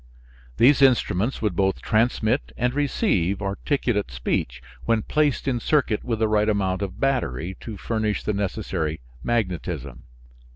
These instruments would both transmit and receive articulate speech when placed in circuit with the right amount of battery to furnish the necessary magnetism.